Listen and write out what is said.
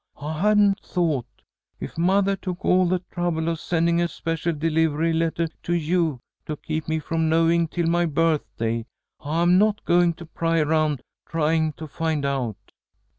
I hadn't thought. If mothah took all the trouble of sending a special delivery lettah to you to keep me from knowing till my birthday, I'm not going to pry around trying to find out."